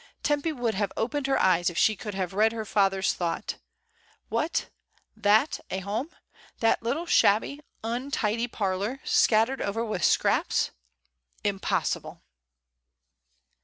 Tempy would have opened her eyes if she could have read her father's thought. What, that a home — that little shabby, untidy parlour, scattered over with scraps? Impos sible!